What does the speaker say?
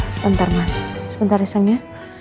sebentar mas sebentar iseng ya